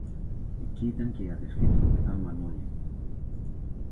Εκεί ήταν και η αδελφή του καπετάν-Μανόλη